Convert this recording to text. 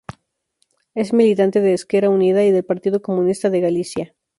Es militante de Esquerda Unida y del Partido Comunista de Galicia.